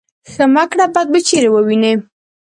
ـ ښه مه کړه بد به چېرې وينې.